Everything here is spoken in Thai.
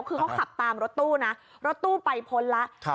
คือเขาขับตามรถตู้นะรถตู้ไปพ้นแล้ว